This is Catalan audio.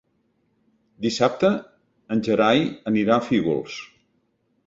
Dissabte en Gerai anirà a Fígols.